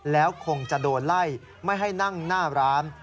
แล้วคงจะโดนไล่ไม่ให้นั่งหน้าร้าน